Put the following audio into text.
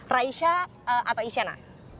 raisa atau isyena